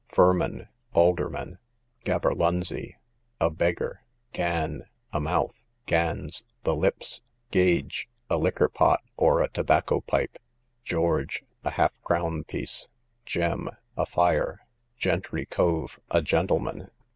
Furmen, aldermen. Gaberlunzie, a beggar. Gan, a mouth. Gans, the lips. Gage, a liquor pot, or a tobacco pipe. George, a half crown piece. Gem, a fire. Gentry cove, a gentleman.